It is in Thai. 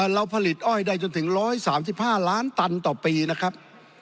เราผลิตอ้อยได้จนถึง๑๓๕ล้านตันต่อปีนะครับ